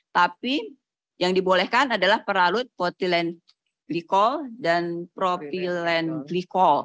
tapi yang dibolehkan adalah pelarut propylenglikol dan propylenglikol